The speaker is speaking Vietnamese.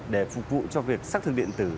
để phục vụ cho việc xác thực điện tử